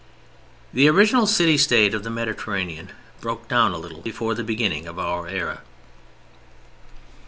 The original city state of the Mediterranean broke down a little before the beginning of our era.